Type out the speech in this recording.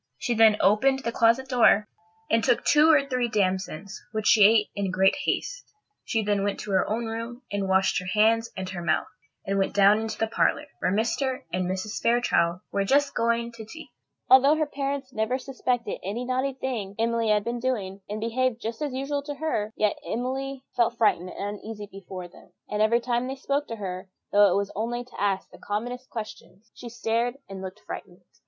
She then opened the closet door, and took two or three damsons, which she ate in great haste. She then went to her own room, and washed her hands and her mouth, and went down into the parlour, where Mr. and Mrs. Fairchild were just going to tea. [Illustration: "She took two or three damsons, which she ate in great haste." Page 60.] Although her parents never suspected what naughty thing Emily had been doing, and behaved just as usual to her, yet Emily felt frightened and uneasy before them; and every time they spoke to her, though it was only to ask the commonest question, she stared and looked frightened.